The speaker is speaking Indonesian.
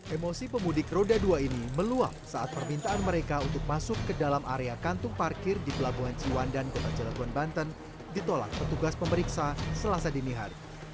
emosi pemudik roda dua ini meluap saat permintaan mereka untuk masuk ke dalam area kantung parkir di pelabuhan ciwandan kota cilegon banten ditolak petugas pemeriksa selasa dini hari